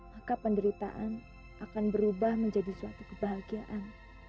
maka penderitaan akan berubah menjadi suatu kebahagiaan